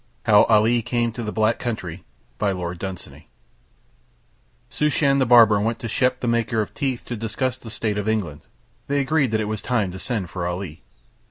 How Ali Came to the Black Country Shooshan the barber went to Shep the maker of teeth to discuss the state of England. They agreed that it was time to send for Ali.